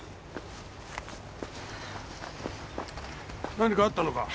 何かあったのか？